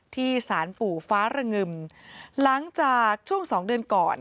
ที่สารปู่ฟ้าระงึมหลังจากช่วงสองเดือนก่อน